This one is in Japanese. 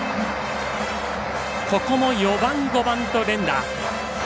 ここも４番、５番と連打。